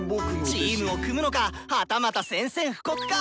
チームを組むのかはたまた宣戦布告か⁉